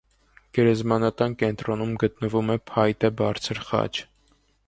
Գերեզմանատան կենտրոնում գտնվում է փայտե բարձր խաչ։